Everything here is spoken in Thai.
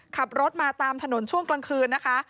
ขับรถมาตามถนนช่วงกลางคืนนะคะ